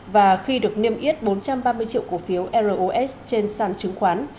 và khi được niêm yết bốn trăm ba mươi triệu cổ phiếu ros trên sàn chứng khoán